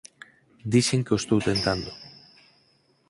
Dixen que o estou tentando!